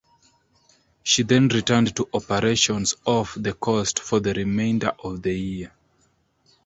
She then returned to operations off the coast for the remainder of the year.